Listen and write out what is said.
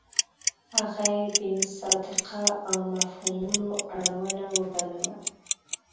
هغه یې بې مصداقه او مفهومونو اړونه وبلله.